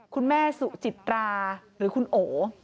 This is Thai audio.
คุณแม่สุจิตราหรือคุณโอ